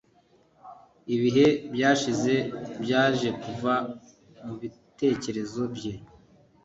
Ibihe byashize byaje kuva mubitekerezo bye